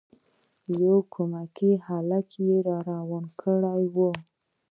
یو کمکی هلک یې روان کړی وو.